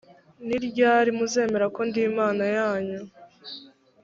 niryari muzemera ko ndi imana yanyu.